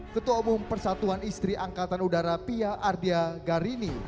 ketua umum persatuan istri angkatan udara pia ardiagarini